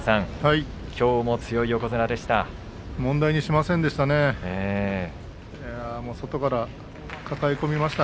きょうも強い横綱でした。